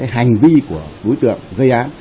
hành vi của đối tượng gây án